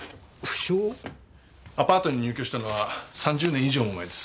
アパートに入居したのは３０年以上も前です。